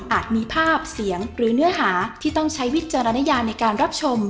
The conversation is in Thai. มีภาพเสียงหรือเนื้อหาที่ต้องใช้วิจารณญาในการรับชม